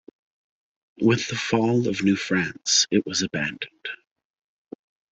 With the fall of New France it was abandoned.